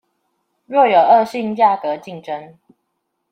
若有惡性價格競爭